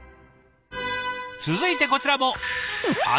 続いてこちらも。